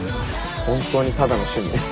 本当にただの趣味。